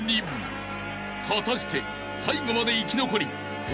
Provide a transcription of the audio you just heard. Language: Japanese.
［果たして最後まで生き残り鬼